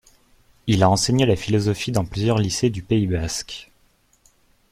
Il a enseigné la philosophie dans plusieurs lycées du Pays basque.